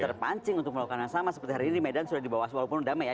terpancing untuk melakukan yang sama seperti hari ini medan sudah dibawa walaupun damai ya